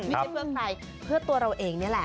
ไม่ใช่เพื่อใครเพื่อตัวเราเองนี่แหละ